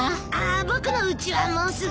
僕のうちはもうすぐ。